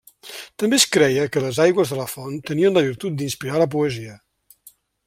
També es creia que les aigües de la font tenien la virtut d'inspirar la poesia.